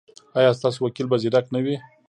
ایا ستاسو وکیل به زیرک نه وي؟